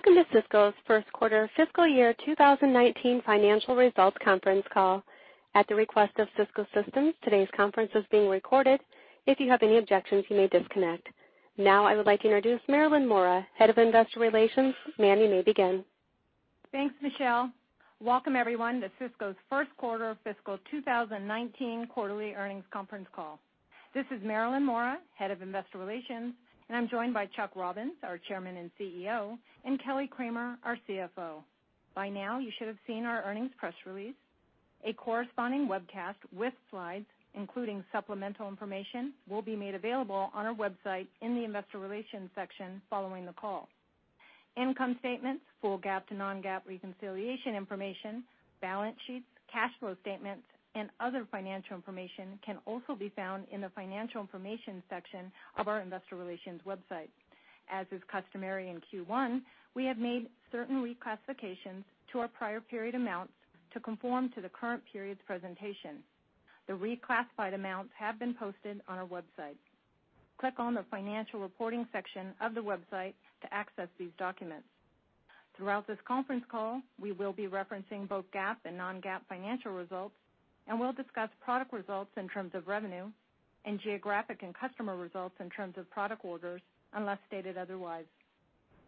Welcome to Cisco's First Quarter Fiscal Year 2019 Financial Results Conference Call. At the request of Cisco Systems, today's conference is being recorded. If you have any objections, you may disconnect. Now, I would like to introduce Marilyn Mora, Head of Investor Relations. Marilyn, you may begin. Thanks, Michelle. Welcome everyone to Cisco's first quarter fiscal 2019 quarterly earnings conference call. This is Marilyn Mora, Head of Investor Relations, and I'm joined by Chuck Robbins, our Chairman and CEO, and Kelly Kramer, our CFO. By now, you should have seen our earnings press release. A corresponding webcast with slides, including supplemental information, will be made available on our website in the investor relations section following the call. Income statements, full GAAP to non-GAAP reconciliation information, balance sheets, cash flow statements, and other financial information can also be found in the Financial Information section of our Investor Relations website. As is customary in Q1, we have made certain reclassifications to our prior period amounts to conform to the current period's presentation. The reclassified amounts have been posted on our website. Click on the Financial Reporting section of the website to access these documents. Throughout this conference call, we will be referencing both GAAP and non-GAAP financial results, and we'll discuss product results in terms of revenue and geographic and customer results in terms of product orders, unless stated otherwise.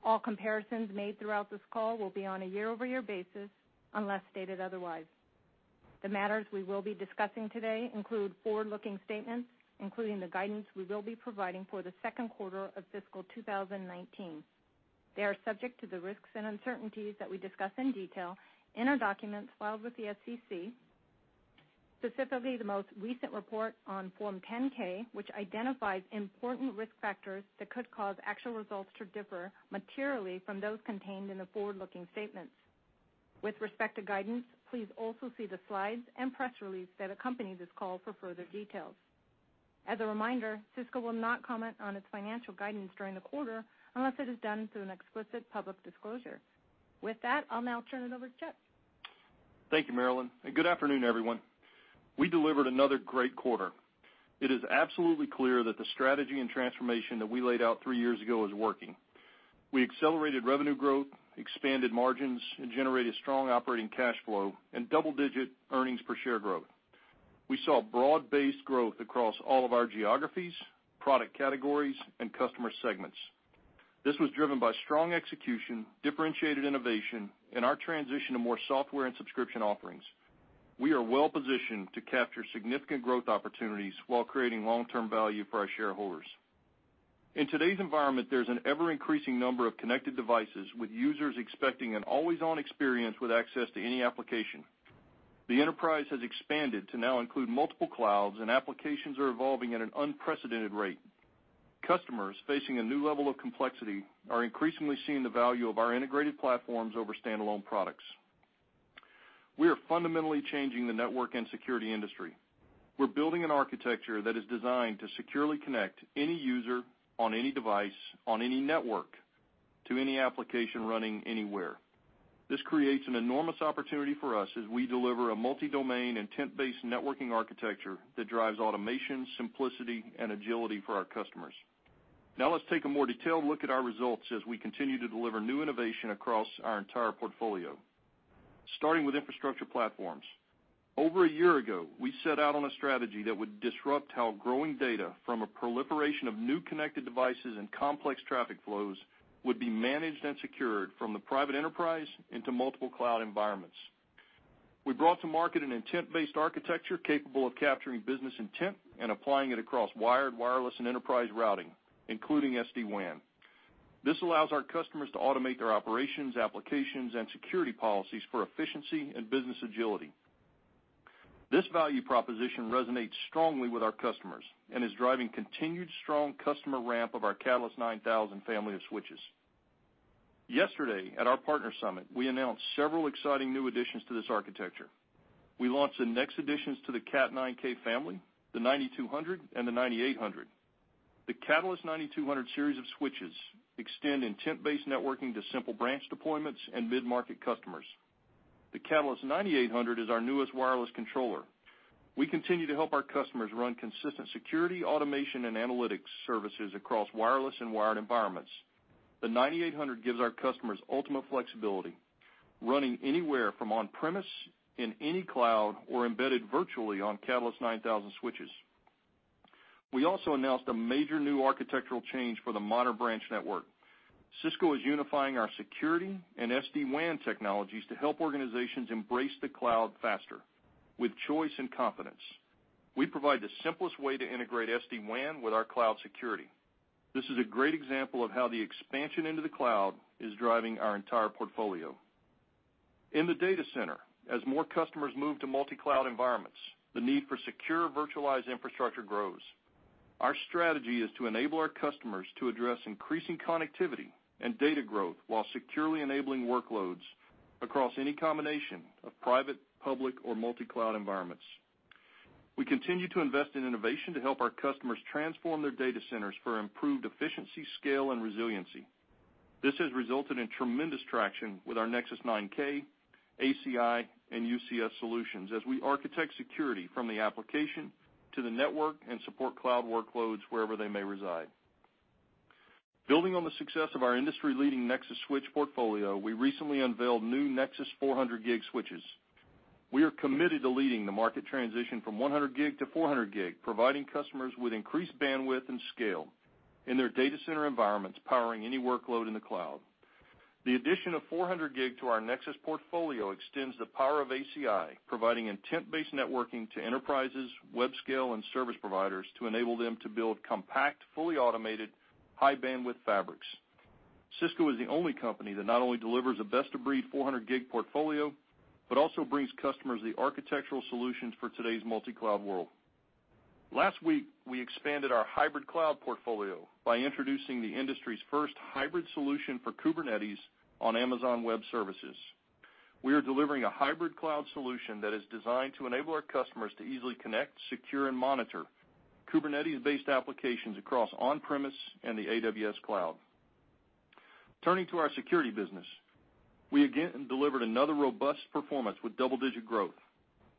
All comparisons made throughout this call will be on a year-over-year basis, unless stated otherwise. The matters we will be discussing today include forward-looking statements, including the guidance we will be providing for the second quarter of fiscal 2019. They are subject to the risks and uncertainties that we discuss in detail in our documents filed with the SEC, specifically the most recent report on Form 10-K, which identifies important risk factors that could cause actual results to differ materially from those contained in the forward-looking statements. With respect to guidance, please also see the slides and press release that accompany this call for further details. As a reminder, Cisco will not comment on its financial guidance during the quarter unless it is done through an explicit public disclosure. With that, I'll now turn it over to Chuck. Thank you, Marilyn, and good afternoon, everyone. We delivered another great quarter. It is absolutely clear that the strategy and transformation that we laid out three years ago is working. We accelerated revenue growth, expanded margins, and generated strong operating cash flow and double-digit earnings per share growth. We saw broad-based growth across all of our geographies, product categories, and customer segments. This was driven by strong execution, differentiated innovation, and our transition to more software and subscription offerings. We are well-positioned to capture significant growth opportunities while creating long-term value for our shareholders. In today's environment, there's an ever-increasing number of connected devices, with users expecting an always-on experience with access to any application. The enterprise has expanded to now include multiple clouds, and applications are evolving at an unprecedented rate. Customers facing a new level of complexity are increasingly seeing the value of our integrated platforms over standalone products. We are fundamentally changing the network and security industry. We're building an architecture that is designed to securely connect any user on any device, on any network to any application running anywhere. This creates an enormous opportunity for us as we deliver a multi-domain intent-based networking architecture that drives automation, simplicity, and agility for our customers. Let's take a more detailed look at our results as we continue to deliver new innovation across our entire portfolio. Starting with infrastructure platforms. Over a year ago, we set out on a strategy that would disrupt how growing data from a proliferation of new connected devices and complex traffic flows would be managed and secured from the private enterprise into multiple cloud environments. We brought to market an intent-based architecture capable of capturing business intent and applying it across wired, wireless, and enterprise routing, including SD-WAN. This allows our customers to automate their operations, applications, and security policies for efficiency and business agility. This value proposition resonates strongly with our customers and is driving continued strong customer ramp of our Catalyst 9000 family of switches. Yesterday, at our Partner Summit, we announced several exciting new additions to this architecture. We launched the next additions to the Cat9K family, the 9200 and the 9800. The Catalyst 9200 series of switches extend intent-based networking to simple branch deployments and mid-market customers. The Catalyst 9800 is our newest wireless controller. We continue to help our customers run consistent security, automation, and analytics services across wireless and wired environments. The 9800 gives our customers ultimate flexibility, running anywhere from on-premise in any cloud or embedded virtually on Catalyst 9000 switches. We also announced a major new architectural change for the modern branch network. Cisco is unifying our security and SD-WAN technologies to help organizations embrace the cloud faster with choice and confidence. We provide the simplest way to integrate SD-WAN with our cloud security. This is a great example of how the expansion into the cloud is driving our entire portfolio. In the data center, as more customers move to multi-cloud environments, the need for secure virtualized infrastructure grows. Our strategy is to enable our customers to address increasing connectivity and data growth while securely enabling workloads across any combination of private, public, or multi-cloud environments. We continue to invest in innovation to help our customers transform their data centers for improved efficiency, scale, and resiliency. This has resulted in tremendous traction with our Nexus 9K ACI and UCS solutions as we architect security from the application to the network and support cloud workloads wherever they may reside. Building on the success of our industry-leading Nexus switch portfolio, we recently unveiled new Nexus 400 gig switches. We are committed to leading the market transition from 100 gig-400 gig, providing customers with increased bandwidth and scale in their data center environments, powering any workload in the cloud. The addition of 400 gig to our Nexus portfolio extends the power of ACI, providing intent-based networking to enterprises, web scale, and service providers to enable them to build compact, fully automated, high bandwidth fabrics. Cisco is the only company that not only delivers a best-of-breed 400 gig portfolio, but also brings customers the architectural solutions for today's multi-cloud world. Last week, we expanded our hybrid cloud portfolio by introducing the industry's first hybrid solution for Kubernetes on Amazon Web Services. We are delivering a hybrid cloud solution that is designed to enable our customers to easily connect, secure and monitor Kubernetes-based applications across on-premise and the AWS cloud. Turning to our security business. We again delivered another robust performance with double-digit growth.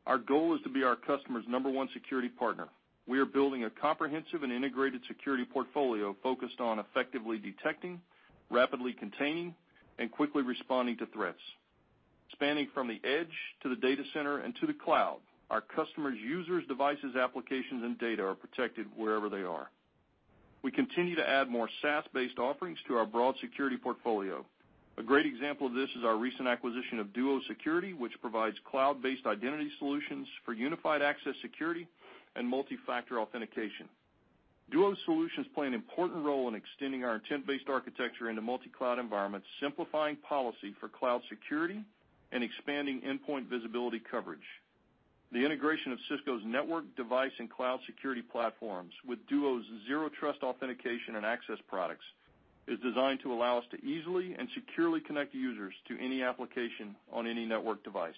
Our goal is to be our customer's number one security partner. We are building a comprehensive and integrated security portfolio focused on effectively detecting, rapidly containing, and quickly responding to threats. Spanning from the edge to the data center and to the cloud, our customers' users, devices, applications, and data are protected wherever they are. We continue to add more SaaS-based offerings to our broad security portfolio. A great example of this is our recent acquisition of Duo Security, which provides cloud-based identity solutions for unified access security and multi-factor authentication. Duo's solutions play an important role in extending our intent-based architecture into multi-cloud environments, simplifying policy for cloud security, and expanding endpoint visibility coverage. The integration of Cisco's network, device, and cloud security platforms with Duo's zero trust authentication and access products is designed to allow us to easily and securely connect users to any application on any network device.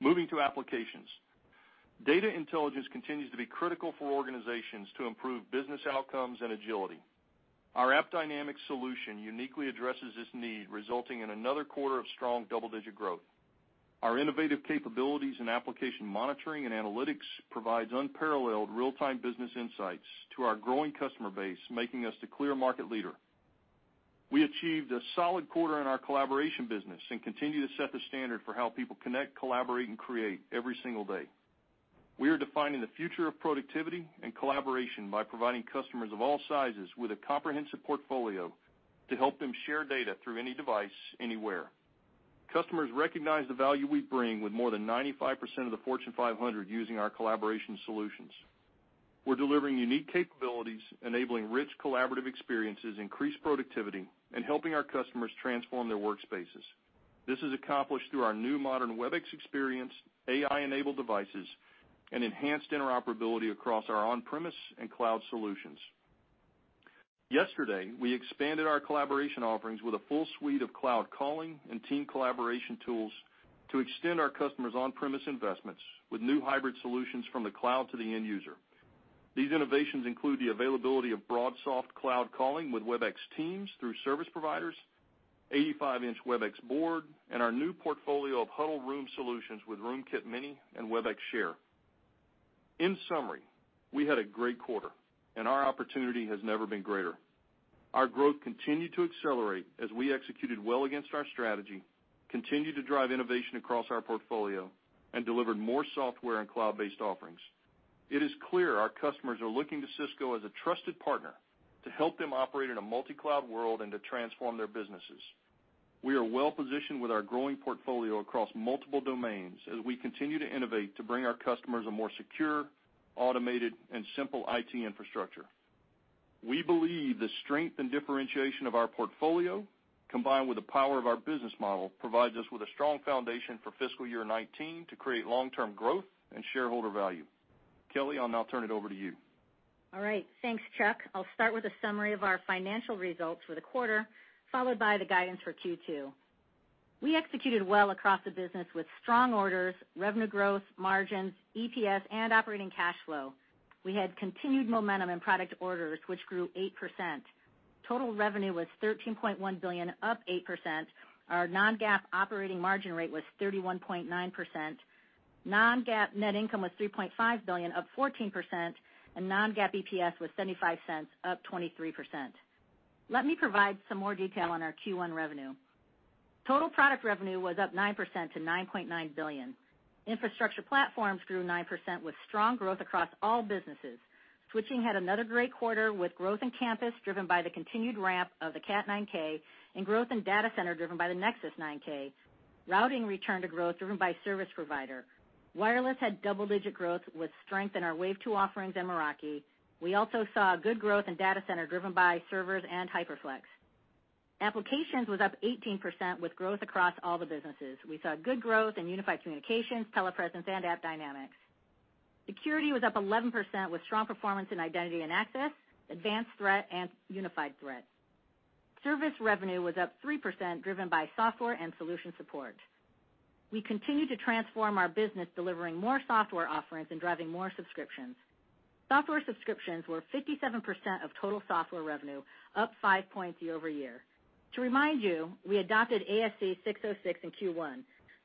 Moving to applications. Data intelligence continues to be critical for organizations to improve business outcomes and agility. Our AppDynamics solution uniquely addresses this need, resulting in another quarter of strong double-digit growth. Our innovative capabilities in application monitoring and analytics provides unparalleled real-time business insights to our growing customer base, making us the clear market leader. We achieved a solid quarter in our collaboration business and continue to set the standard for how people connect, collaborate, and create every single day. We are defining the future of productivity and collaboration by providing customers of all sizes with a comprehensive portfolio to help them share data through any device, anywhere. Customers recognize the value we bring with more than 95% of the Fortune 500 using our collaboration solutions. We're delivering unique capabilities, enabling rich collaborative experiences, increased productivity, and helping our customers transform their workspaces. This is accomplished through our new modern Webex experience, AI-enabled devices, and enhanced interoperability across our on-premise and cloud solutions. Yesterday, we expanded our collaboration offerings with a full suite of cloud calling and team collaboration tools to extend our customers' on-premise investments with new hybrid solutions from the cloud to the end user. These innovations include the availability of BroadSoft cloud calling with Webex Teams through service providers, 85-inch Webex Board, and our new portfolio of huddle room solutions with Room Kit Mini and Webex Share. In summary, we had a great quarter. Our opportunity has never been greater. Our growth continued to accelerate as we executed well against our strategy, continued to drive innovation across our portfolio, and delivered more software and cloud-based offerings. It is clear our customers are looking to Cisco as a trusted partner to help them operate in a multi-cloud world and to transform their businesses. We are well-positioned with our growing portfolio across multiple domains as we continue to innovate to bring our customers a more secure, automated, and simple IT infrastructure. We believe the strength and differentiation of our portfolio, combined with the power of our business model, provides us with a strong foundation for fiscal year 2019 to create long-term growth and shareholder value. Kelly, I'll now turn it over to you. All right. Thanks, Chuck. I'll start with a summary of our financial results for the quarter, followed by the guidance for Q2. We executed well across the business with strong orders, revenue growth, margins, EPS, and operating cash flow. We had continued momentum in product orders, which grew 8%. Total revenue was $13.1 billion, up 8%. Our non-GAAP operating margin rate was 31.9%. Non-GAAP net income was $3.5 billion, up 14%, and non-GAAP EPS was $0.75, up 23%. Let me provide some more detail on our Q1 revenue. Total product revenue was up 9% to $9.9 billion. Infrastructure platforms grew 9% with strong growth across all businesses. Switching had another great quarter with growth in campus, driven by the continued ramp of the Cat9K, growth in data center driven by the Nexus 9K. Routing returned to growth driven by service provider. Wireless had double-digit growth with strength in our Wave 2 offerings and Meraki. We also saw good growth in data center driven by servers and HyperFlex. Applications was up 18% with growth across all the businesses. We saw good growth in unified communications, TelePresence, and AppDynamics. Security was up 11% with strong performance in identity and access, advanced threat, and unified threat. Service revenue was up 3%, driven by software and solution support. We continue to transform our business, delivering more software offerings and driving more subscriptions. Software subscriptions were 57% of total software revenue, up 5 points year-over-year. To remind you, we adopted ASC 606 in Q1.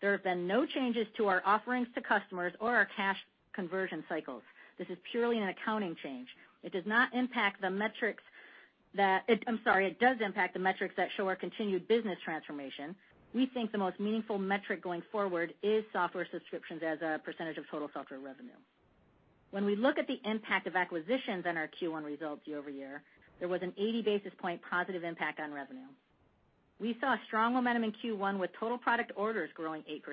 There have been no changes to our offerings to customers or our cash conversion cycles. This is purely an accounting change. I'm sorry, it does impact the metrics that show our continued business transformation. We think the most meaningful metric going forward is software subscriptions as a percentage of total software revenue. When we look at the impact of acquisitions on our Q1 results year-over-year, there was an 80 basis point positive impact on revenue. We saw strong momentum in Q1 with total product orders growing 8%.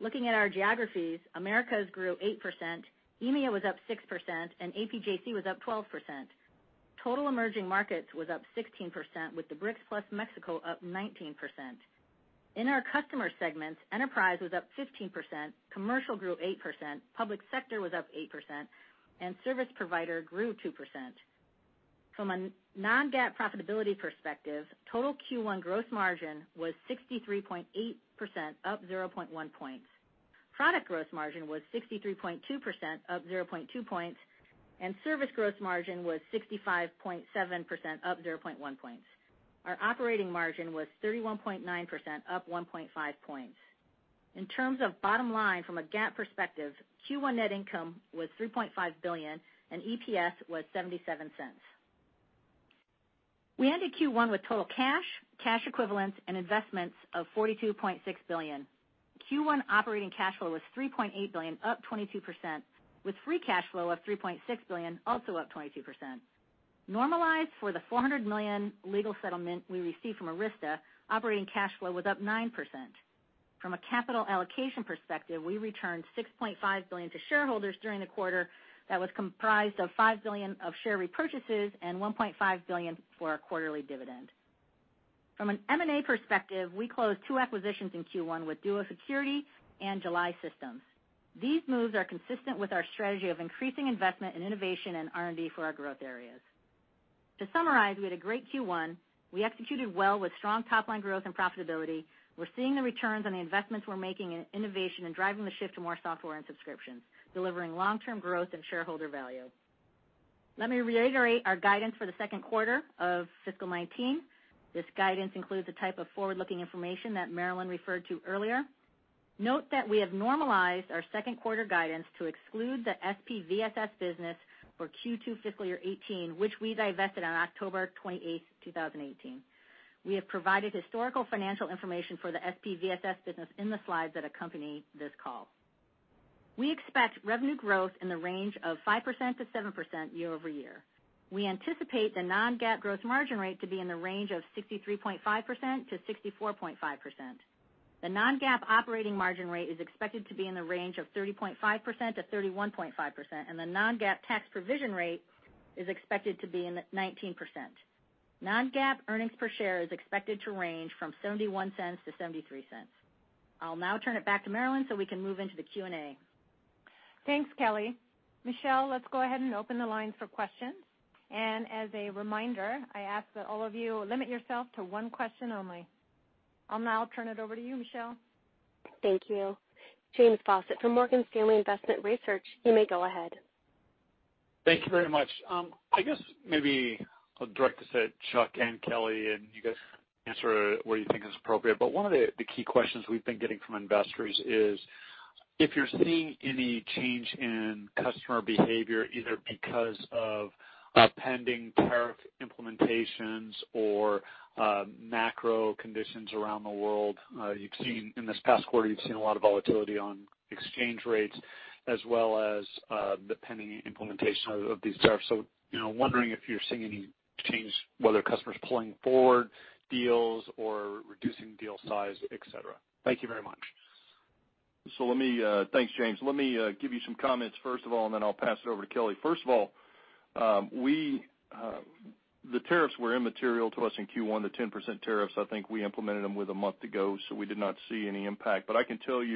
Looking at our geographies, Americas grew 8%, EMEA was up 6%, and APJC was up 12%. Total emerging markets was up 16% with the BRICS plus Mexico up 19%. In our customer segments, enterprise was up 15%, commercial grew 8%, public sector was up 8%, and service provider grew 2%. From a non-GAAP profitability perspective, total Q1 gross margin was 63.8%, up 0.1 points. Product gross margin was 63.2%, up 0.2 points, and service gross margin was 65.7%, up 0.1 points. Our operating margin was 31.9%, up 1.5 points. In terms of bottom line from a GAAP perspective, Q1 net income was $3.5 billion, and EPS was $0.77. We ended Q1 with total cash equivalents, and investments of $42.6 billion. Q1 operating cash flow was $3.8 billion, up 22%, with free cash flow of $3.6 billion, also up 22%. Normalized for the $400 million legal settlement we received from Arista, operating cash flow was up 9%. From a capital allocation perspective, we returned $6.5 billion to shareholders during the quarter. That was comprised of $5 billion of share repurchases and $1.5 billion for our quarterly dividend. From an M&A perspective, we closed two acquisitions in Q1 with Duo Security and July Systems. These moves are consistent with our strategy of increasing investment in innovation and R&D for our growth areas. To summarize, we had a great Q1. We executed well with strong top-line growth and profitability. We're seeing the returns on the investments we're making in innovation and driving the shift to more software and subscriptions, delivering long-term growth and shareholder value. Let me reiterate our guidance for the second quarter of fiscal 2019. This guidance includes a type of forward-looking information that Marilyn referred to earlier. Note that we have normalized our second quarter guidance to exclude the SPVSS business for Q2 fiscal year 2018, which we divested on October 28, 2018. We have provided historical financial information for the SPVSS business in the slides that accompany this call. We expect revenue growth in the range of 5%-7% year-over-year. We anticipate the non-GAAP gross margin rate to be in the range of 63.5%-64.5%. The non-GAAP operating margin rate is expected to be in the range of 30.5%-31.5%, and the non-GAAP tax provision rate is expected to be in the 19%. Non-GAAP earnings per share is expected to range from $0.71-$0.73. I'll now turn it back to Marilyn so we can move into the Q&A. Thanks, Kelly. Michelle, let's go ahead and open the lines for questions. As a reminder, I ask that all of you limit yourself to one question only. I'll now turn it over to you, Michelle. Thank you. James Faucette from Morgan Stanley Investment Research, you may go ahead. Thank you very much. I guess maybe I'll direct this at Chuck and Kelly, and you guys can answer what you think is appropriate. One of the key questions we've been getting from investors is if you're seeing any change in customer behavior, either because of pending tariff implementations or macro conditions around the world. You've seen, in this past quarter, you've seen a lot of volatility on exchange rates as well as the pending implementation of these tariffs. You know, wondering if you're seeing any change, whether customers pulling forward deals or reducing deal size, et cetera. Thank you very much. Thanks James. Let me give you some comments first of all, and then I'll pass it over to Kelly. First of all the tarriffs were immaterial to us in Q1, the 10% tarriffs. I think we implemented them with a month ago, so we did not see any impact, but I can tell you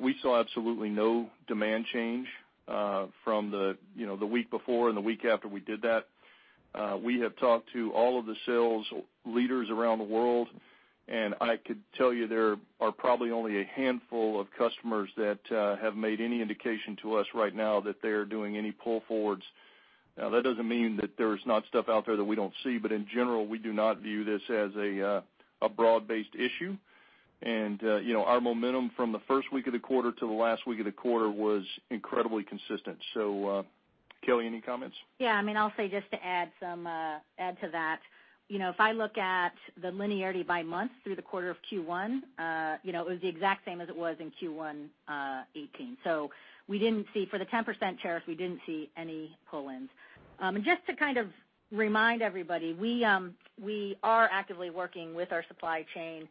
we saw absolutely no demand change from the week before and the week after we did that. I can tell you there are probably only a handful of customers that have made any indications to us right now that they're doing any pull forwards not view this as a broad-based issue. Last week of the quarter was incredibly consistent. So, Kelly, any comments? Yeah, I mean, I'll say just to add some, add to that, you know, if I look at the linearity by month through the quarter of Q1, it was the exact same as it was in Q1 2018. For the 10% tariffs, we didn't see any pull-ins. Just to kind of remind everybody, we are actively working with our supply chain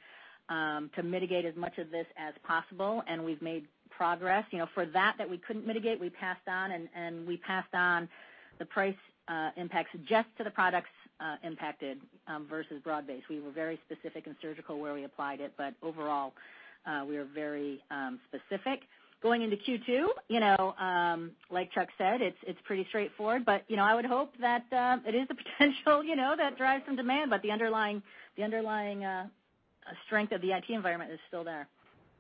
to mitigate as much of this as possible, and we've made progress. You know, for that we couldn't mitigate, we passed on and we passed on the price impacts just to the products impacted versus broad-based. We were very specific and surgical where we applied it. We are very specific. Going into Q2, you know, like Chuck said, it's pretty straightforward, but, you know, I would hope that it is a potential, you know, that drives some demand, but the underlying strength of the IT environment is still there.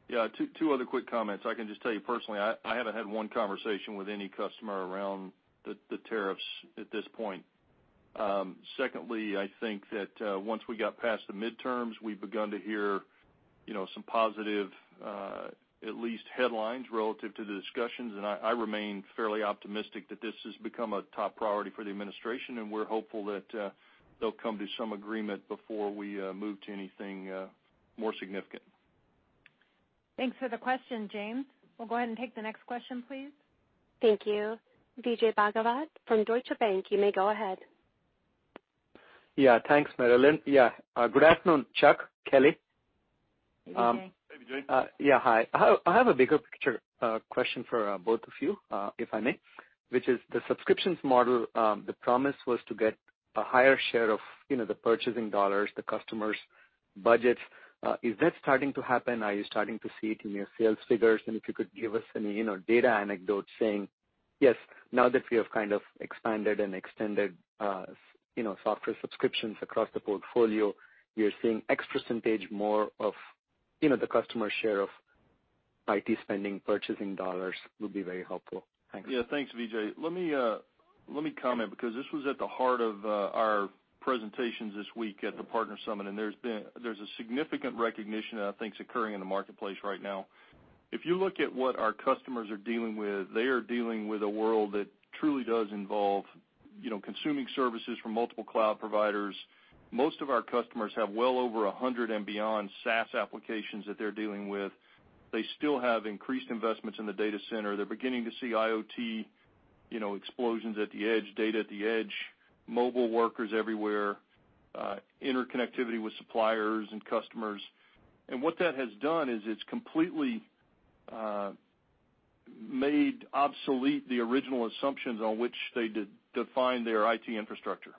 Yeah, two other quick comments. I can just tell you personally, I haven't had one conversation with any customer around the tariffs at this point. Secondly, I think that once we got past the midterms, we've begun to hear, you know, some positive at least headlines relative to the discussions. I remain fairly optimistic that this has become a top priority for the administration, and we're hopeful that they'll come to some agreement before we move to anything more significant. Thanks for the question, James. We'll go ahead and take the next question, please. Thank you. Vijay Bhagavath from Deutsche Bank, you may go ahead. Yeah, thanks, Marilyn. Yeah, good afternoon, Chuck, Kelly. Hi, Vijay. Hey, Vijay. Yeah, hi. I have a bigger picture question for both of you, if I may, which is the subscriptions model, the promise was to get a higher share of, you know, the purchasing dollars, the customers' budgets. Is that starting to happen? Are you starting to see it in your sales figures? If you could give us any, you know, data anecdote saying, yes, now that we have kind of expanded and extended, you know, software subscriptions across the portfolio, you're seeing X percentage more of, you know, the customer share of IT spending purchasing dollars would be very helpful. Thanks. Yeah, thanks, Vijay. Let me comment because this was at the heart of our presentations this week at the Partner Summit, and there's a significant recognition that I think is occurring in the marketplace right now. If you look at what our customers are dealing with, they are dealing with a world that truly does involve, you know, consuming services from multiple cloud providers. Most of our customers have well over 100 and beyond SaaS applications that they're dealing with. They still have increased investments in the data center. They're beginning to see IoT, you know, explosions at the edge, data at the edge, mobile workers everywhere, interconnectivity with suppliers and customers. What that has done is it's completely made obsolete the original assumptions on which they de-defined their IT infrastructure.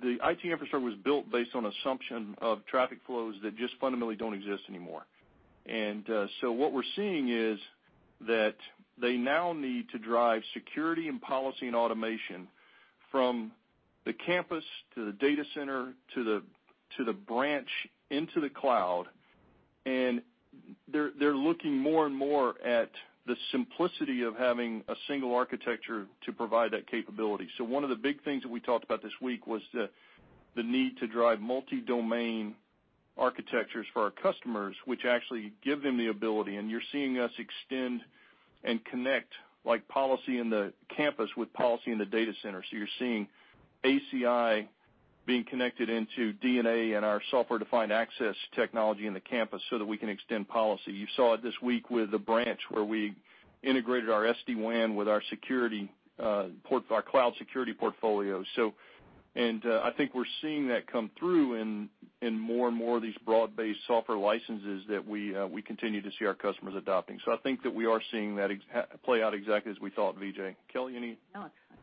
The IT infrastructure was built based on assumption of traffic flows that just fundamentally don't exist anymore. What we're seeing is that they now need to drive security and policy and automation from the campus to the data center to the branch into the cloud, and they're looking more and more at the simplicity of having a single architecture to provide that capability. One of the big things that we talked about this week was the need to drive multi-domain architectures for our customers, which actually give them the ability, and you're seeing us extend and connect like policy in the campus with policy in the data center. You're seeing ACI being connected into DNA and our Software-Defined Access technology in the campus so that we can extend policy. You saw it this week with the branch where we integrated our SD-WAN with our security, our cloud security portfolio. I think we're seeing that come through in more and more of these broad-based software licenses that we continue to see our customers adopting. I think that we are seeing that play out exactly as we thought, Vijay. Kelly, any- No,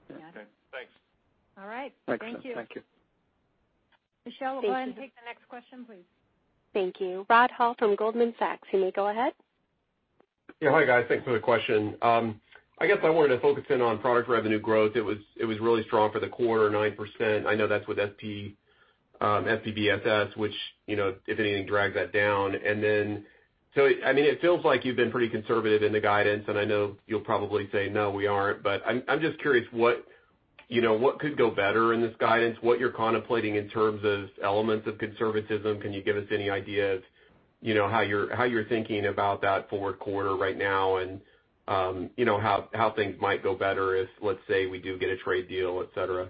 that's. Okay. Thanks. All right. Thank you. Thanks. Thank you. Michelle, we'll go ahead and take the next question, please. Thank you. Rod Hall from Goldman Sachs, you may go ahead. Yeah. Hi, guys. Thanks for the question. I guess I wanted to focus in on product revenue growth. It was really strong for the quarter, 9%. I know that's with SP, SPVSS, which, you know, if anything, dragged that down. I mean, it feels like you've been pretty conservative in the guidance, and I know you'll probably say, "No, we aren't." I'm just curious what, you know, what could go better in this guidance, what you're contemplating in terms of elements of conservatism. Can you give us any idea of, you know, how you're thinking about that forward quarter right now and, you know, how things might go better if, let's say, we do get a trade deal, et cetera?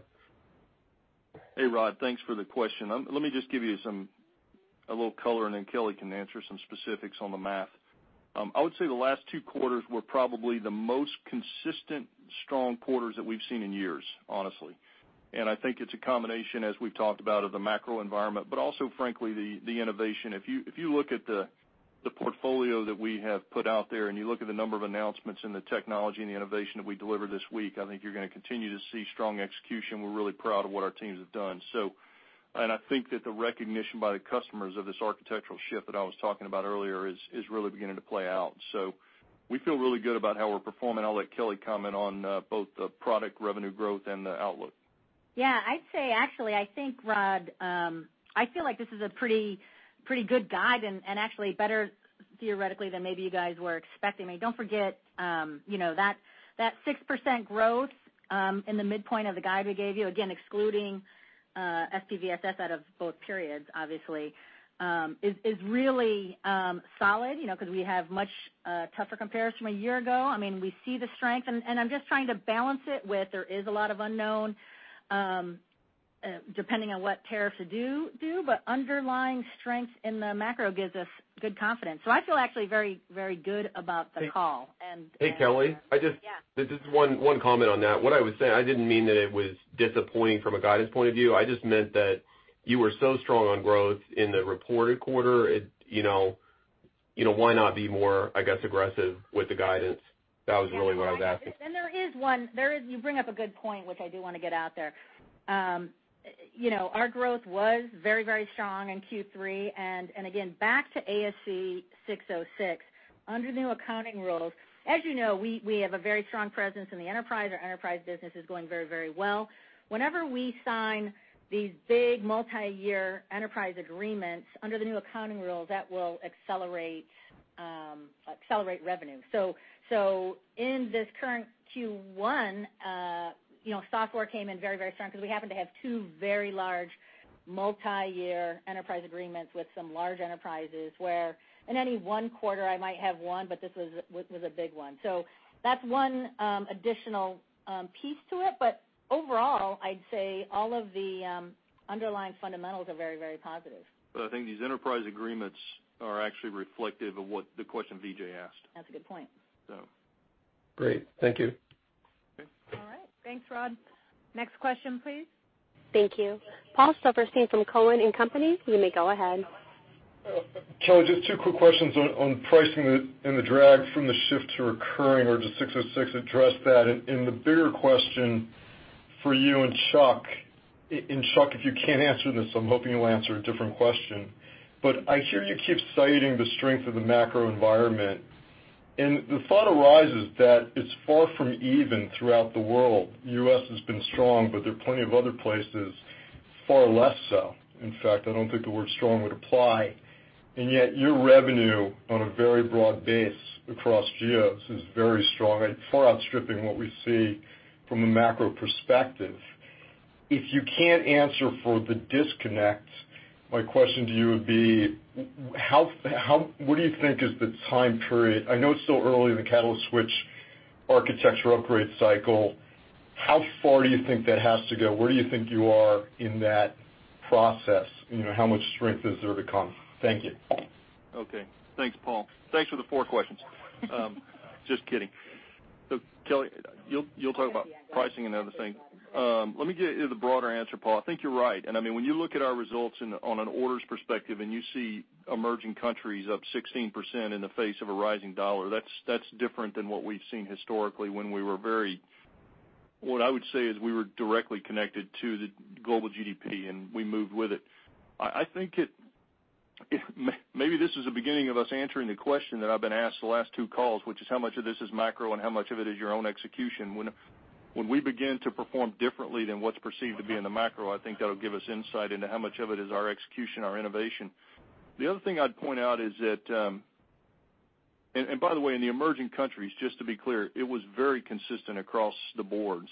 Hey, Rod. Thanks for the question. Let me just give you a little color, and then Kelly can answer some specifics on the math. I would say the last two quarters were probably the most consistent strong quarters that we've seen in years, honestly. I think it's a combination, as we've talked about, of the macro environment, but also frankly, the innovation. If you look at the portfolio that we have put out there and you look at the number of announcements and the technology and the innovation that we delivered this week, I think you're gonna continue to see strong execution. We're really proud of what our teams have done. I think that the recognition by the customers of this architectural shift that I was talking about earlier is really beginning to play out. We feel really good about how we're performing. I'll let Kelly comment on both the product revenue growth and the outlook. Yeah, I'd say actually, I think, Rod, I feel like this is a pretty good guide and actually better theoretically than maybe you guys were expecting. I mean, don't forget, you know, that 6% growth in the midpoint of the guide we gave you, again, excluding SPVSS out of both periods, obviously, is really solid, you know, 'cause we have much tougher comparison from a year ago. I mean, we see the strength and I'm just trying to balance it with there is a lot of unknown, depending on what tariffs do, but underlying strength in the macro gives us good confidence. I feel actually very good about the call. Hey, Kelly. Yeah. This is one comment on that. What I was saying, I didn't mean that it was disappointing from a guidance point of view. I just meant that you were so strong on growth in the reported quarter, you know. You know, why not be more, I guess, aggressive with the guidance? That was really what I was asking. There is one. You bring up a good point, which I do wanna get out there. You know, our growth was very, very strong in Q3. Again, back to ASC 606, under new accounting rules, as you know, we have a very strong presence in the enterprise. Our enterprise business is going very, very well. Whenever we sign these big multi-year enterprise agreements under the new accounting rules, that will accelerate revenue. In this current Q1, you know, software came in very, very strong because we happen to have two very large multi-year enterprise agreements with some large enterprises where in any one quarter I might have one, but this was a big one. That's one additional piece to it. Overall, I'd say all of the underlying fundamentals are very, very positive. I think these enterprise agreements are actually reflective of what the question Vijay asked. That's a good point. So. Great. Thank you. All right. Thanks, Rod. Next question, please. Thank you. Paul Silverstein from Cowen & Company, you may go ahead. Kelly, just two quick questions on pricing and the drag from the shift to recurring or does ASC 606 address that? The bigger question for you and Chuck, and Chuck, if you can't answer this, I'm hoping you'll answer a different question. I hear you keep citing the strength of the macro environment, and the thought arises that it's far from even throughout the world. U.S. has been strong, there are plenty of other places far less so. In fact, I don't think the word strong would apply. Yet your revenue on a very broad base across geos is very strong and far outstripping what we see from a macro perspective. If you can't answer for the disconnect, my question to you would be, what do you think is the time period? I know it's still early in the Catalyst Switch architecture upgrade cycle. How far do you think that has to go? Where do you think you are in that process? You know, how much strength is there to come? Thank you. Okay. Thanks, Paul. Thanks for the four questions. Just kidding. Kelly, you'll talk about pricing and the other thing. Let me give you the broader answer, Paul. I think you're right. I mean, when you look at our results in, on an orders perspective, you see emerging countries up 16% in the face of a rising dollar, that's different than what we've seen historically when we were very directly connected to the Global GDP, we moved with it. I think it, maybe this is the beginning of us answering the question that I've been asked the last two calls, which is how much of this is macro and how much of it is your own execution. When we begin to perform differently than what's perceived to be in the macro, I think that'll give us insight into how much of it is our execution, our innovation. The other thing I'd point out is that, by the way, in the emerging countries, just to be clear, it was very consistent across the board.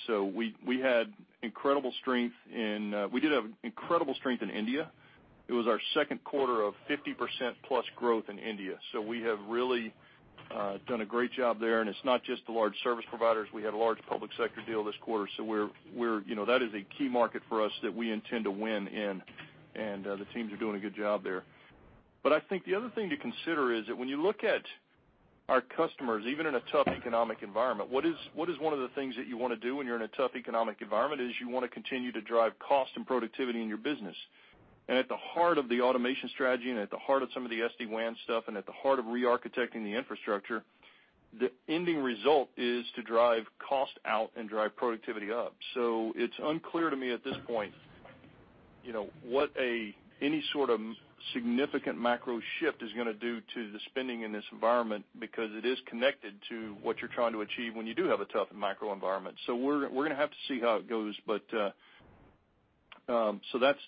We had incredible strength in India. We did have incredible strength in India. It was our second quarter of 50% plus growth in India. We have really done a great job there. It's not just the large service providers. We had a large public sector deal this quarter. We're, you know, that is a key market for us that we intend to win in, and the teams are doing a good job there. I think the other thing to consider is that when you look at our customers, even in a tough economic environment, what is one of the things that you wanna do when you're in a tough economic environment is you wanna continue to drive cost and productivity in your business. At the heart of the automation strategy and at the heart of some of the SD-WAN stuff and at the heart of re-architecting the infrastructure, the ending result is to drive cost out and drive productivity up. It's unclear to me at this point, you know, what any sort of significant macro shift is gonna do to the spending in this environment because it is connected to what you're trying to achieve when you do have a tough macro environment. We're gonna have to see how it goes, but that's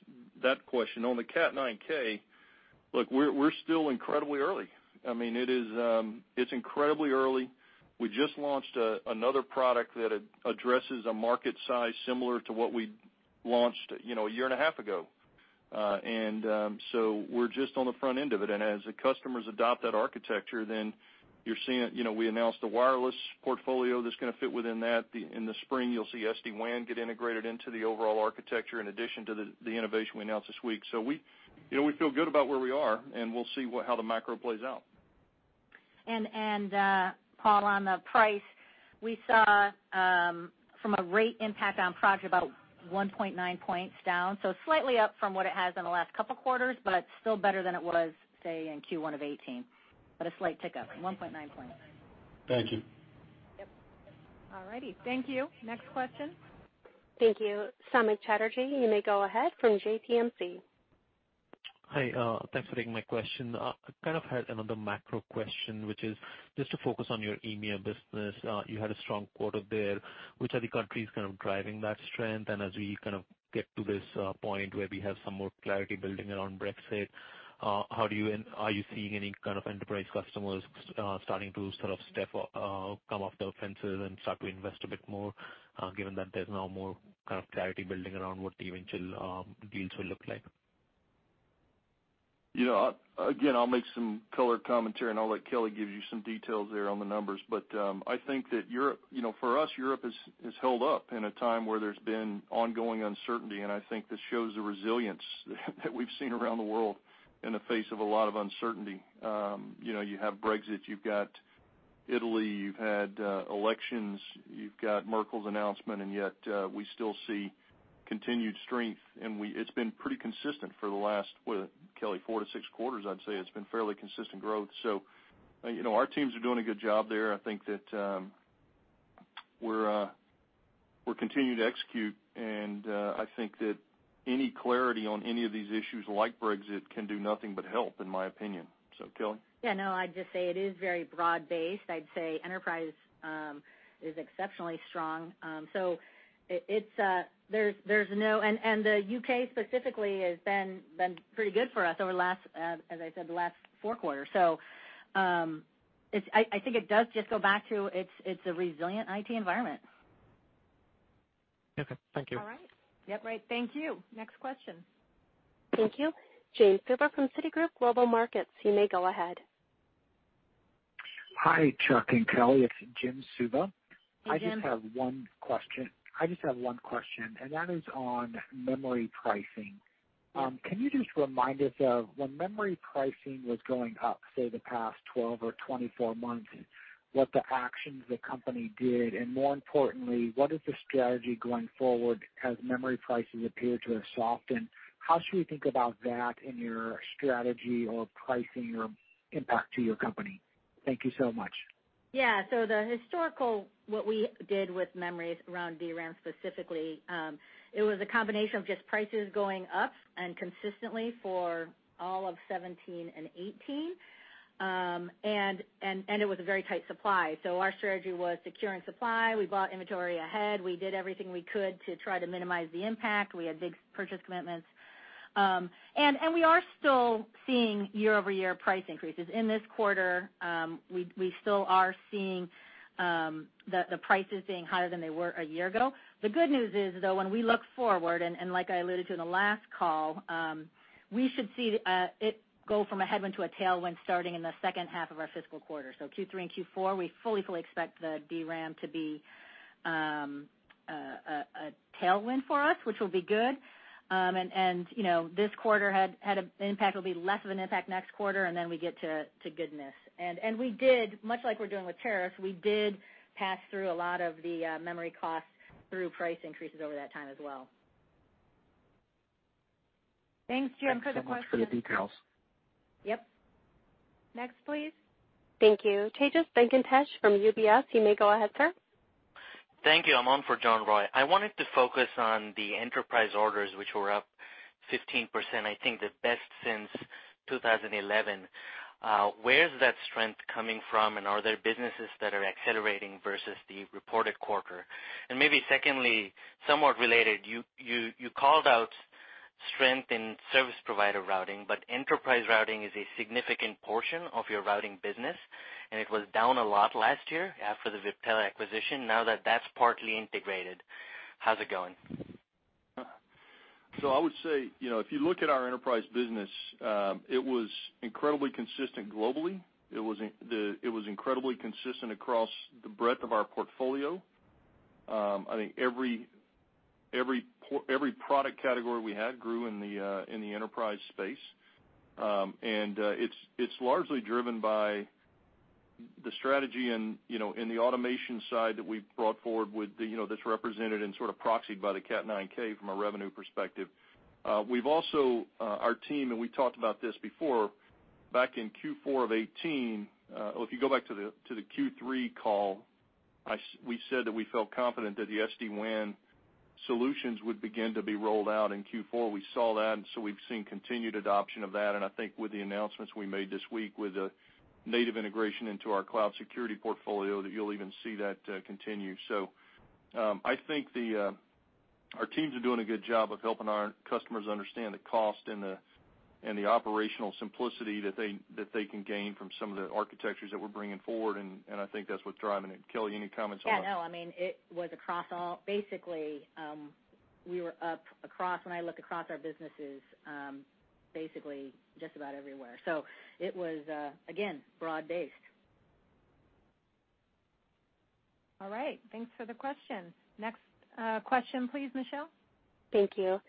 that question. On the Cat9K, look, we're still incredibly early. I mean, it is, it's incredibly early. We just launched another product that addresses a market size similar to what we launched, you know, a year and a half ago. We're just on the front end of it. As the customers adopt that architecture, then you're seeing, you know, we announced a wireless portfolio that's gonna fit within that. In the spring, you'll see SD-WAN get integrated into the overall architecture in addition to the innovation we announced this week. We, you know, we feel good about where we are, and we'll see what, how the macro plays out. Paul, on the price, we saw, from a rate impact on project about 1.9 points down, so slightly up from what it has in the last couple quarters, but still better than it was, say, in Q1 of 2018. A slight tick up, 1.9 points. Thank you. Yep. All righty. Thank you. Next question. Thank you. Samik Chatterjee, you may go ahead from JPMC. Hi, thanks for taking my question. I kind of had another macro question, which is just to focus on your EMEA business. You had a strong quarter there. Which are the countries kind of driving that strength? As we kind of get to this point where we have some more clarity building around Brexit, how do you and are you seeing any kind of enterprise customers starting to sort of step come off the fences and start to invest a bit more, given that there's now more kind of clarity building around what the eventual deals will look like? You know, again, I'll make some color commentary, and I'll let Kelly give you some details there on the numbers. I think that Europe, you know, for us, Europe has held up in a time where there's been ongoing uncertainty, and I think this shows the resilience that we've seen around the world in the face of a lot of uncertainty. You know, you have Brexit, you've got Italy, you've had elections, you've got Merkel's announcement, and yet we still see continued strength, and it's been pretty consistent for the last, what, Kelly, 4-6 quarters, I'd say, it's been fairly consistent growth. You know, our teams are doing a good job there. I think that, we're continuing to execute and, I think that any clarity on any of these issues like Brexit can do nothing but help, in my opinion. Kelly? Yeah, no, I'd just say it is very broad-based. I'd say enterprise is exceptionally strong. The U.K. specifically has been pretty good for us over the last, as I said, the last four quarters. I think it does just go back to it's a resilient IT environment. Okay, thank you. All right. Yep. Great. Thank you. Next question. Thank you. Jim Suva from Citigroup Global Market, you may go ahead. Hi, Chuck and Kelly. It's Jim Suva. Hey, Jim. I just have one question, and that is on memory pricing. Can you just remind us of when memory pricing was going up, say, the past 12 or 24 months, what the actions the company did, and more importantly, what is the strategy going forward as memory prices appear to have softened? How should we think about that in your strategy or pricing or impact to your company? Thank you so much. Yeah. The historical, what we did with memories around DRAM specifically, it was a combination of just prices going up and consistently for all of 2017 and 2018. It was a very tight supply. Our strategy was securing supply. We bought inventory ahead. We did everything we could to try to minimize the impact. We had big purchase commitments. We are still seeing year-over-year price increases. In this quarter, we still are seeing the prices being higher than they were a year ago. The good news is, though, when we look forward, like I alluded to in the last call, we should see it go from a headwind to a tailwind starting in the second half of our fiscal quarter. Q3 and Q4, we fully expect the DRAM to be a tailwind for us, which will be good. You know, this quarter had an impact, will be less of an impact next quarter, and then we get to goodness. We did, much like we're doing with tariffs, we did pass through a lot of the memory costs through price increases over that time as well. Thanks, Jim for the question. Thanks so much for the details. Yep. Next, please. Thank you. Tejas Venkatesh from UBS. You may go ahead, sir. Thank you. I'm on for John Roy. I wanted to focus on the enterprise orders, which were up 15%, I think the best since 2011. Where is that strength coming from, are there businesses that are accelerating versus the reported quarter? Maybe secondly, somewhat related, you called out strength in service provider routing, enterprise routing is a significant portion of your routing business, it was down a lot last year after the Viptela acquisition. Now that that's partly integrated, how's it going? I would say, you know, if you look at our enterprise business, it was incredibly consistent globally. It was incredibly consistent across the breadth of our portfolio. I think every product category we had grew in the enterprise space. It's largely driven by the strategy and, you know, in the automation side that we've brought forward with the, you know, that's represented and sort of proxied by the Cat9K from a revenue perspective. We've also, our team, and we talked about this before, back in Q4 of 2018, or if you go back to the Q3 call, we said that we felt confident that the SD-WAN solutions would begin to be rolled out in Q4. We saw that. We've seen continued adoption of that. I think with the announcements we made this week with the native integration into our cloud security portfolio, you'll even see that continue. I think our teams are doing a good job of helping our customers understand the cost and the operational simplicity that they can gain from some of the architectures that we're bringing forward. I think that's what's driving it. Kelly, any comments on that? Yeah, no. I mean, it was across all. Basically, we were up across, when I look across our businesses, basically just about everywhere. It was, again, broad-based. All right. Thanks for the question. Next, question, please, Michelle. Thank you.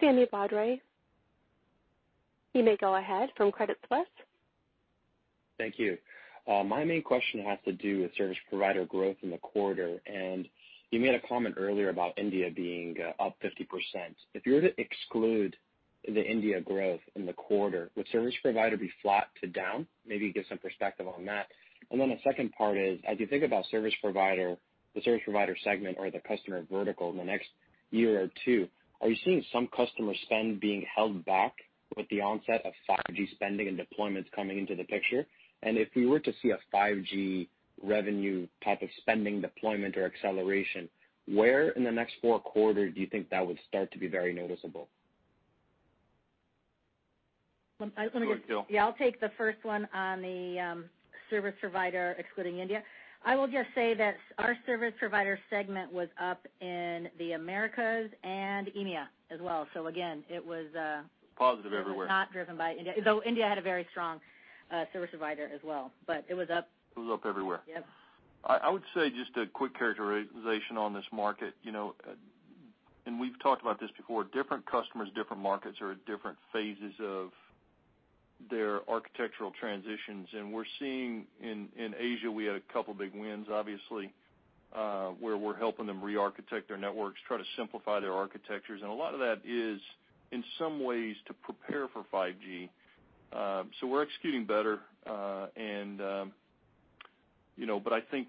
Sami Badri. You may go ahead from Credit Suisse. Thank you. My main question has to do with service provider growth in the quarter, and you made a comment earlier about India being up 50%. If you were to exclude the India growth in the quarter, would service provider be flat to down? Maybe give some perspective on that. The second part is, as you think about service provider, the service provider segment or the customer vertical in the next year or two, are you seeing some customer spend being held back with the onset of 5G spending and deployments coming into the picture? If we were to see a 5G revenue type of spending deployment or acceleration, where in the next four quarters do you think that would start to be very noticeable? Um, I wanna go- Go ahead, Kelly. Yeah, I'll take the first one on the service provider excluding India. I will just say that our service provider segment was up in the Americas and EMEA as well. Positive everywhere. It was not driven by India. India had a very strong, service provider as well, but it was up. It was up everywhere. Yep. I would say just a quick characterization on this market, you know, we've talked about this before, different customers, different markets are at different phases of their architectural transitions, and we're seeing in Asia, we had a couple big wins, obviously, where we're helping them re-architect their networks, try to simplify their architectures. A lot of that is, in some ways, to prepare for 5G. We're executing better, and, you know, but I think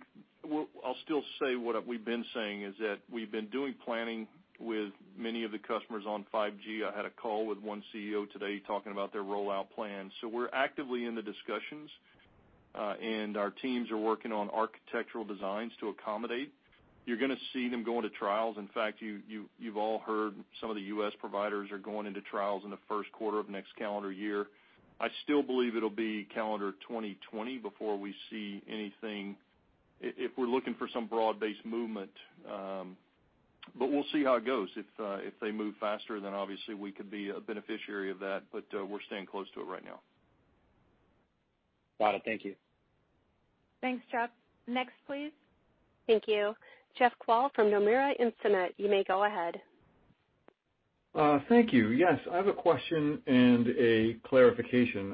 I'll still say what we've been saying is that we've been doing planning with many of the customers on 5G. I had a call with one CEO today talking about their rollout plan. We're actively in the discussions, and our teams are working on architectural designs to accommodate. You're going to see them going to trials. In fact, you've all heard some of the U.S. providers are going into trials in the first quarter of next calendar year. I still believe it'll be calendar 2020 before we see anything if we're looking for some broad-based movement, but we'll see how it goes. If they move faster, then obviously we could be a beneficiary of that, but we're staying close to it right now. Got it. Thank you. Thanks, Chuck. Next, please. Thank you. Jeff Kvaal from Nomura Instinet, you may go ahead. Thank you. Yes, I have a question and a clarification.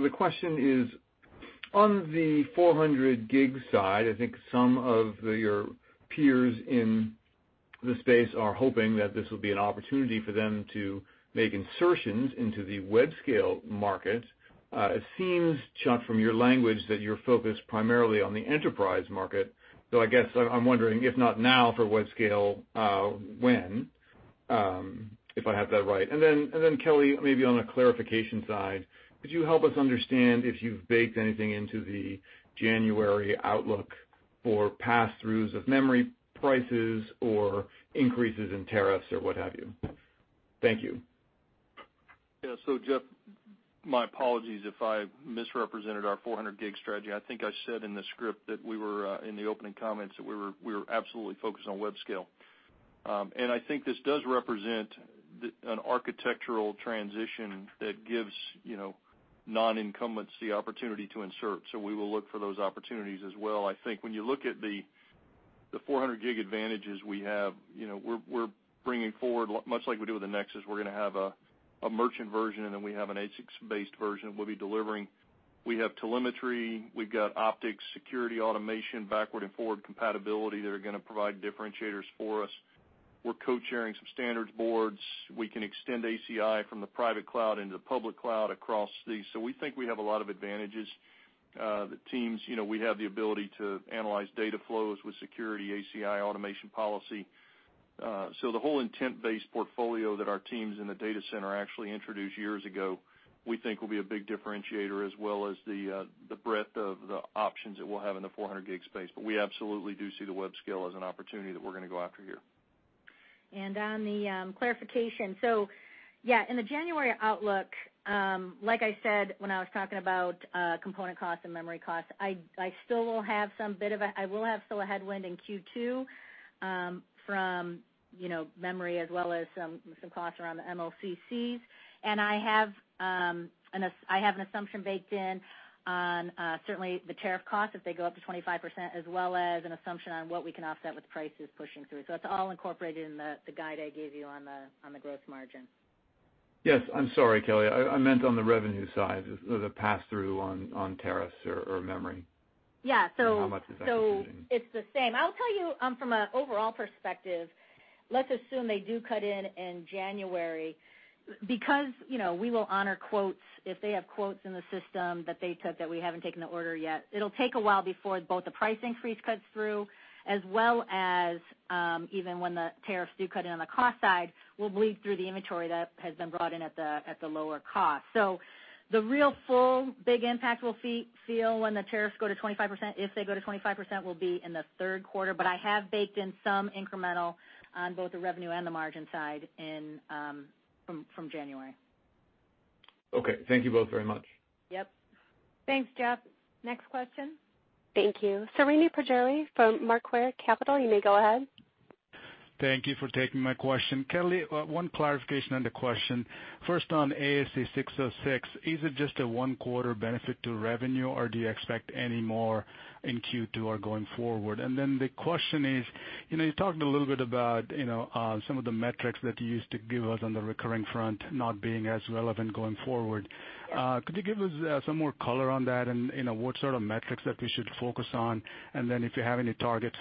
The question is, on the 400 gig side, I think some of your peers in the space are hoping that this will be an opportunity for them to make insertions into the web scale market. It seems, Chuck, from your language that you're focused primarily on the enterprise market. I guess I'm wondering, if not now for web scale, when? If I have that right. Then Kelly, maybe on the clarification side, could you help us understand if you've baked anything into the January outlook for passthroughs of memory prices or increases in tariffs or what have you? Thank you. Yeah. Jeff, my apologies if I misrepresented our 400 gig strategy. I think I said in the script that we were in the opening comments, that we were absolutely focused on web scale. I think this does represent the, an architectural transition that gives, you know, non-incumbents the opportunity to insert. We will look for those opportunities as well. I think when you look at the 400 gig advantages we have, you know, we're bringing forward, much like we do with the Nexus, we're gonna have a merchant version, and then we have an ASIC-based version we'll be delivering. We have telemetry, we've got optics, security, automation, backward and forward compatibility that are gonna provide differentiators for us. We're co-chairing some standards boards. We can extend ACI from the private cloud into the public cloud across these. We think we have a lot of advantages. The teams, you know, we have the ability to analyze data flows with security, ACI, automation policy. The whole intent-based portfolio that our teams in the data center actually introduced years ago, we think will be a big differentiator, as well as the breadth of the options that we'll have in the 400 gig space. We absolutely do see the web scale as an opportunity that we're gonna go after here. On the clarification. Yeah, in the January outlook, like I said, when I was talking about component costs and memory costs, I still will have some bit of a headwind in Q2, from, you know, memory as well as some costs around the MLCCs. I have an assumption baked in on certainly the tariff costs if they go up to 25%, as well as an assumption on what we can offset with prices pushing through. It's all incorporated in the guide I gave you on the growth margin. Yes. I'm sorry, Kelly. I meant on the revenue side, the pass-through on tariffs or memory. Yeah. How much is that affecting? It's the same. I'll tell you, from an overall perspective, let's assume they do cut in in January. You know, we will honor quotes, if they have quotes in the system that they took that we haven't taken the order yet, it'll take a while before both the price increase cuts through, as well as, even when the tariffs do cut in on the cost side, we'll bleed through the inventory that has been brought in at the, at the lower cost. The real full big impact we'll feel when the tariffs go to 25%, if they go to 25%, will be in the third quarter. I have baked in some incremental on both the revenue and the margin side in, from January. Okay. Thank you both very much. Yep. Thanks, Jeff. Next question. Thank you. Srini Pajjuri from Macquarie Capital, you may go ahead. Thank you for taking my question. Kelly, one clarification and a question. First, on ASC 606, is it just a one-quarter benefit to revenue, or do you expect any more in Q2 or going forward? The question is, you know, you talked a little bit about, you know, some of the metrics that you used to give us on the recurring front not being as relevant going forward. Could you give us some more color on that and, you know, what sort of metrics that we should focus on? If you have any targets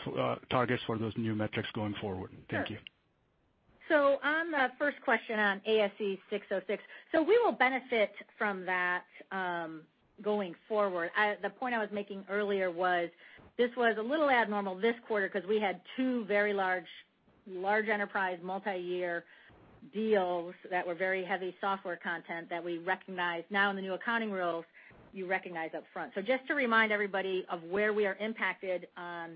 for those new metrics going forward. Thank you. Sure. On the first question on ASC 606, we will benefit from that going forward. The point I was making earlier was this was a little abnormal this quarter because we had two very large enterprise multi-year deals that were very heavy software content that we recognized now in the new accounting rules you recognize upfront. Just to remind everybody of where we are impacted on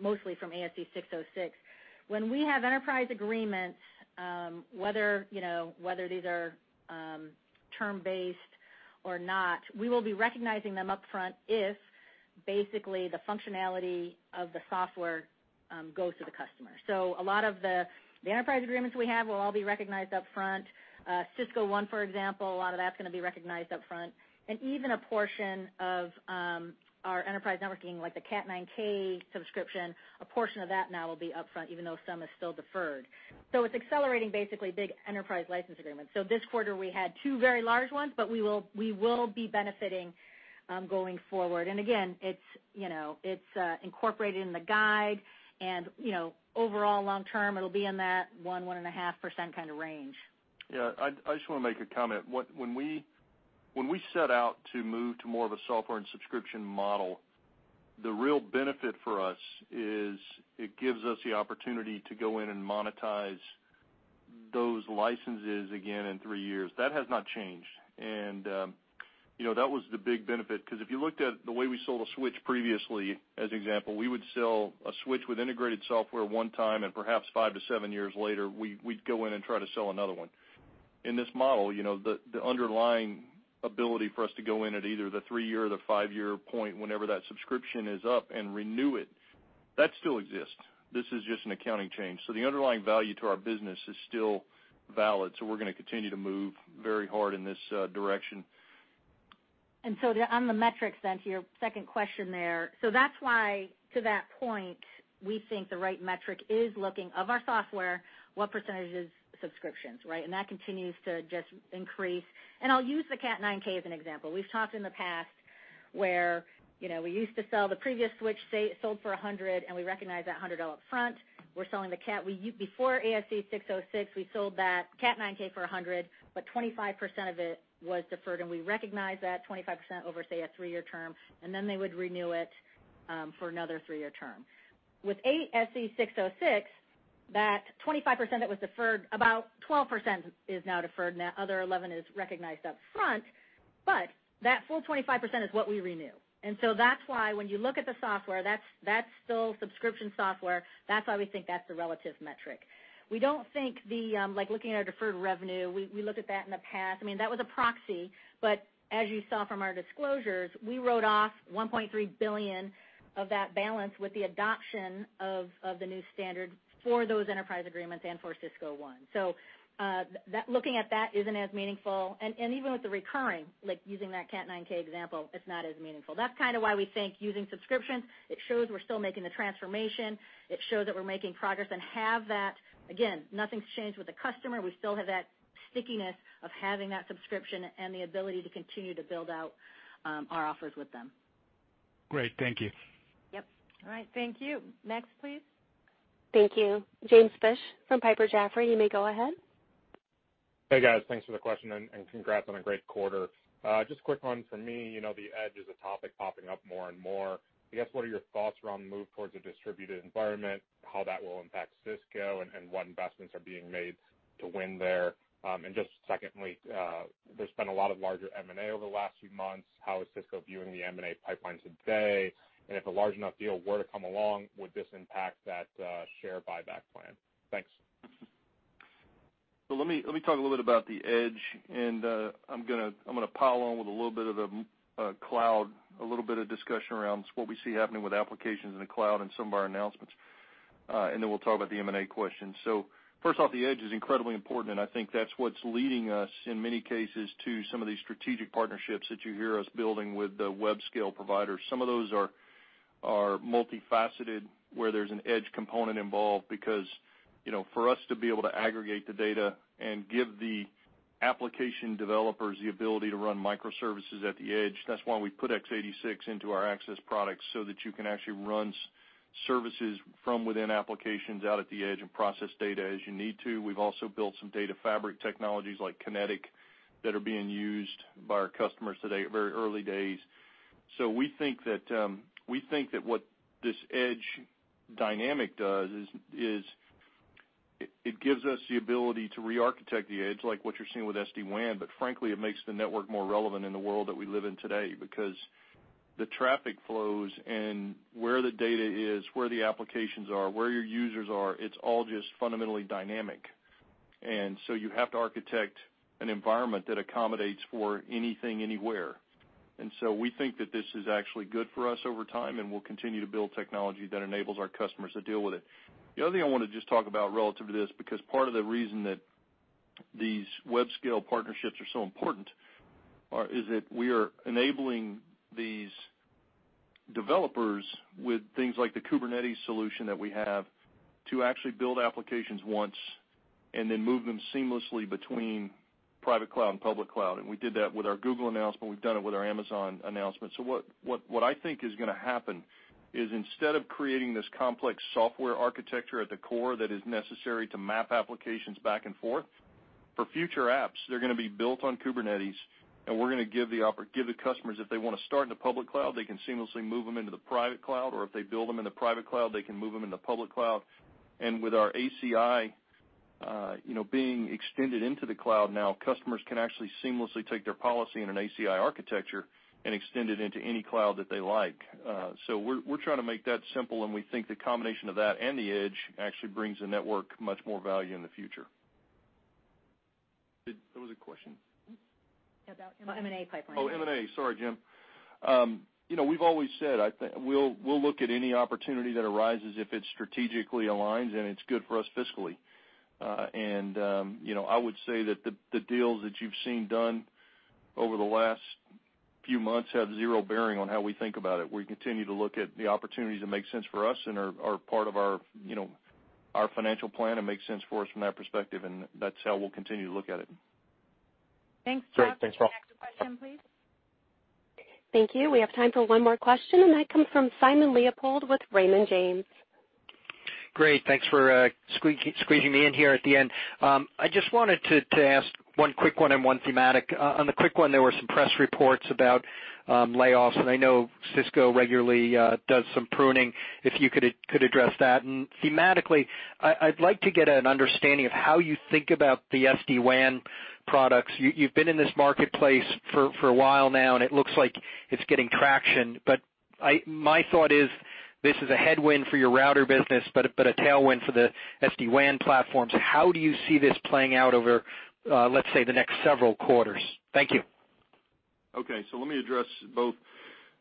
mostly from ASC 606. When we have enterprise agreements, whether, you know, whether these are term-based or not. We will be recognizing them upfront if basically the functionality of the software goes to the customer. A lot of the enterprise agreements we have will all be recognized upfront. Cisco ONE, for example, a lot of that's going to be recognized upfront. Even a portion of our enterprise networking, like the Cat9K subscription, a portion of that now will be upfront, even though some is still deferred. It's accelerating basically big enterprise license agreements. This quarter, we had two very large ones, but we will be benefiting going forward. Again, it's, you know, it's incorporated in the guide and, you know, overall long term, it'll be in that 1%-1.5% kinda range. Yeah. I just wanna make a comment. When we set out to move to more of a software and subscription model, the real benefit for us is it gives us the opportunity to go in and monetize those licenses again in three years. That has not changed. You know, that was the big benefit, 'cause if you looked at the way we sold a switch previously, as example, we would sell a switch with integrated software one time, and perhaps 5-7 years later, we'd go in and try to sell another one. In this model, you know, the underlying ability for us to go in at either the three-year or the five-year point, whenever that subscription is up, and renew it, that still exists. This is just an accounting change. The underlying value to our business is still valid, so we're gonna continue to move very hard in this direction. On the metrics, to your second question there, that's why, to that point, we think the right metric is looking, of our software, what percentage is subscriptions, right? That continues to just increase. I'll use the Cat9K as an example. We've talked in the past where, you know, we used to sell the previous switch, say, it sold for $100, and we recognized that $100 upfront. Before ASC 606, we sold that Cat9K for $100, but 25% of it was deferred, and we recognized that 25% over, say, a three-year term, and then they would renew it for another three-year term. With ASC 606, that 25% that was deferred, about 12% is now deferred, and the other 11% is recognized upfront. That full 25% is what we renew. That's why when you look at the software, that's still subscription software. That's why we think that's the relative metric. We don't think the, like looking at our deferred revenue, we looked at that in the past. I mean, that was a proxy. As you saw from our disclosures, we wrote off $1.3 billion of that balance with the adoption of the new standard for those enterprise agreements and for Cisco ONE. Looking at that isn't as meaningful. Even with the recurring, like using that Cat9K example, it's not as meaningful. That's kind of why we think using subscriptions, it shows we're still making the transformation. It shows that we're making progress and have that, again, nothing's changed with the customer. We still have that stickiness of having that subscription and the ability to continue to build out our offers with them. Great. Thank you. Yep. All right. Thank you. Next, please. Thank you. James Fish from Piper Jaffray, you may go ahead. Hey, guys. Thanks for the question and congrats on a great quarter. Just quick one from me. You know, the Edge is a topic popping up more and more. I guess, what are your thoughts around the move towards a distributed environment, how that will impact Cisco, and what investments are being made to win there? Just secondly, there's been a lot of larger M&A over the last few months. How is Cisco viewing the M&A pipeline today? If a large enough deal were to come along, would this impact that share buyback plan? Thanks. Let me talk a little bit about the edge, and I'm gonna pile on with a little bit of the cloud, a little bit of discussion around what we see happening with applications in the cloud and some of our announcements. Then we'll talk about the M&A question. First off, the edge is incredibly important, and I think that's what's leading us, in many cases, to some of these strategic partnerships that you hear us building with the web scale providers. Some of those are multifaceted, where there's an edge component involved. You know, for us to be able to aggregate the data and give the application developers the ability to run microservices at the Edge, that's why we put x86 into our access products, so that you can actually run services from within applications out at the Edge and process data as you need to. We've also built some data fabric technologies like Kinetic that are being used by our customers today, very early days. We think that what this Edge dynamic does, it gives us the ability to rearchitect the Edge, like what you're seeing with SD-WAN, frankly, it makes the network more relevant in the world that we live in today. The traffic flows and where the data is, where the applications are, where your users are, it's all just fundamentally dynamic. You have to architect an environment that accommodates for anything, anywhere. We think that this is actually good for us over time, and we'll continue to build technology that enables our customers to deal with it. The other thing I want to just talk about relative to this, because part of the reason that these web-scale partnerships are so important is that we are enabling these developers with things like the Kubernetes solution that we have to actually build applications once and then move them seamlessly between private cloud and public cloud. We did that with our Google announcement. We've done it with our Amazon announcement. What I think is going to happen is instead of creating this complex software architecture at the core that is necessary to map applications back and forth, for future apps, they're going to be built on Kubernetes, and we're going to give the customers, if they want to start in the public cloud, they can seamlessly move them into the private cloud, or if they build them in the private cloud, they can move them into public cloud. With our ACI, you know, being extended into the cloud now, customers can actually seamlessly take their policy in an ACI architecture and extend it into any cloud that they like. We're trying to make that simple, and we think the combination of that and the edge actually brings the network much more value in the future. There was a question. About M&A pipeline. M&A. Sorry, Jim. you know, we've always said, we'll look at any opportunity that arises if it strategically aligns and it's good for us fiscally. you know, I would say that the deals that you've seen done over the last few months have zero bearing on how we think about it. We continue to look at the opportunities that make sense for us and are part of our, you know, our financial plan and make sense for us from that perspective, that's how we'll continue to look at it. Thanks, Chuck. Great. Thanks, all. Next question, please. Thank you. We have time for one more question. That comes from Simon Leopold with Raymond James. Great. Thanks for squeezing me in here at the end. I just wanted to ask one quick one and one thematic. On the quick one, there were some press reports about layoffs, and I know Cisco regularly does some pruning, if you could address that. Thematically, I'd like to get an understanding of how you think about the SD-WAN products. You've been in this marketplace for a while now, and it looks like it's getting traction. My thought is this is a headwind for your router business, but a tailwind for the SD-WAN platform. How do you see this playing out over, let's say, the next several quarters? Thank you. Okay, let me address both.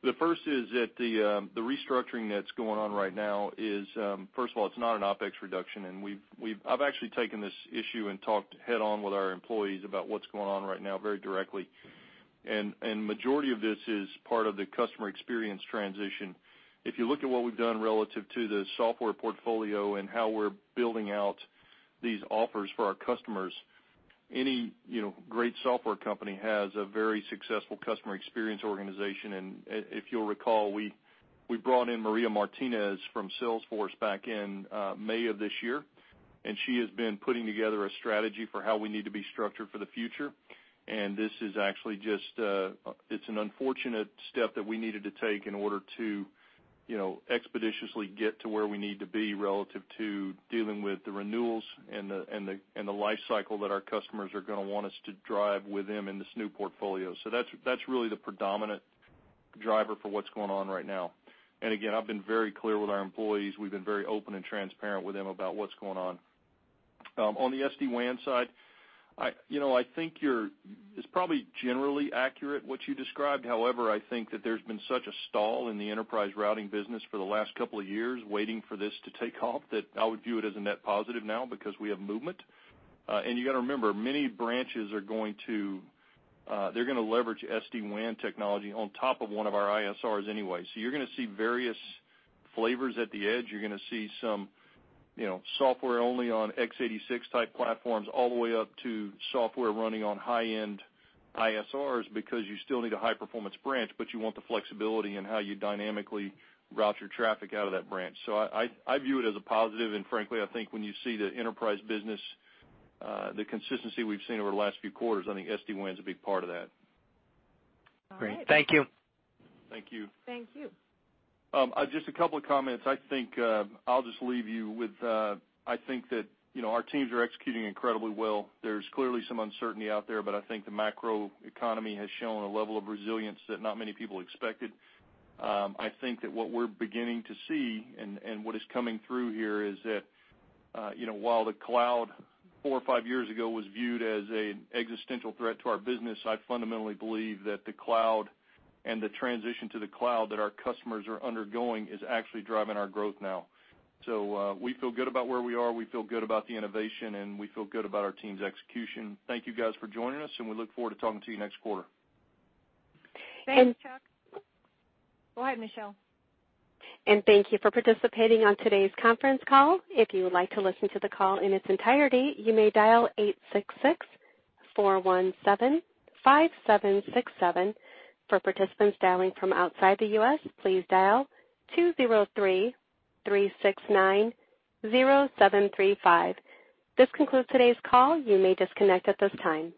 The first is that the restructuring that's going on right now is, first of all, it's not an OpEx reduction. I've actually taken this issue and talked head on with our employees about what's going on right now very directly. Majority of this is part of the customer experience transition. If you look at what we've done relative to the software portfolio and how we're building out these offers for our customers, any, you know, great software company has a very successful customer experience organization. If you'll recall, we brought in Maria Martinez from Salesforce back in May of this year, and she has been putting together a strategy for how we need to be structured for the future. This is actually just, it's an unfortunate step that we needed to take in order to, you know, expeditiously get to where we need to be relative to dealing with the renewals and the, and the, and the life cycle that our customers are going to want us to drive with them in this new portfolio. That's, that's really the predominant driver for what's going on right now. Again, I've been very clear with our employees. We've been very open and transparent with them about what's going on. On the SD-WAN side, I, you know, I think it's probably generally accurate what you described. However, I think that there's been such a stall in the enterprise routing business for the last couple of years waiting for this to take off, that I would view it as a net positive now because we have movement. You gotta remember, many branches are going to, they're gonna leverage SD-WAN technology on top of one of our ISRs anyway. You're gonna see various flavors at the edge. You're gonna see some, you know, software only on x86 type platforms, all the way up to software running on high-end ISRs because you still need a high-performance branch, but you want the flexibility in how you dynamically route your traffic out of that branch. I, I view it as a positive. Frankly, I think when you see the enterprise business, the consistency we've seen over the last few quarters, I think SD-WAN's a big part of that. Great. Thank you. Thank you. Thank you. Just a couple of comments. I'll just leave you with, I think that, you know, our teams are executing incredibly well. There's clearly some uncertainty out there, but I think the macroeconomy has shown a level of resilience that not many people expected. I think that what we're beginning to see and, what is coming through here is that, you know, while the cloud four or five years ago was viewed as a existential threat to our business, I fundamentally believe that the cloud and the transition to the cloud that our customers are undergoing is actually driving our growth now. We feel good about where we are, we feel good about the innovation, and we feel good about our team's execution. Thank you, guys, for joining us, and we look forward to talking to you next quarter. Thanks, Chuck. Go ahead, Michelle. And thank you for participating on today's conference call. If you would like to listen to the call in its entirety, you may dial 866-417-5767. For participants dialing from outside the U.S., please 203-369-0735. This concludes today's call. You may disconnect at this time.